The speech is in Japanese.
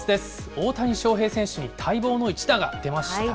大谷翔平選手に待望の一打が出ましたね。